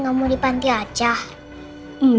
nih menyeba ditentu